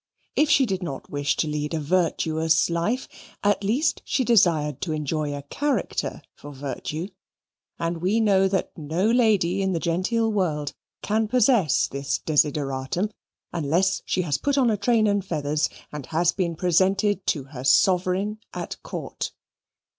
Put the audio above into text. If she did not wish to lead a virtuous life, at least she desired to enjoy a character for virtue, and we know that no lady in the genteel world can possess this desideratum, until she has put on a train and feathers and has been presented to her Sovereign at Court.